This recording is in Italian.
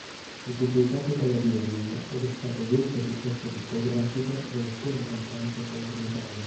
Fu pubblicato dalla Durium ed è stato l'unico successo discografico dell'attore-cantante palermitano.